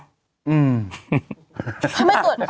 ถ้าไม่ตรวจ